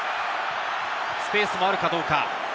スペースもあるかどうか。